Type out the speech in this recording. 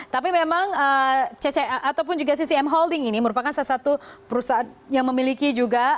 tapi memang cca ataupun juga ccm holding ini merupakan salah satu perusahaan yang memiliki juga